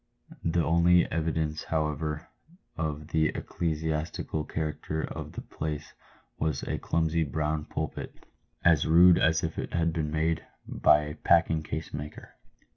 The only evidence, however, of the ecclesiastical character of the place was a clumsy brown pulpit, as rude as if it had been made by a packing case maker.